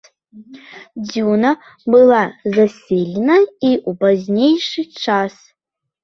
Дзюна была заселена і ў пазнейшы час.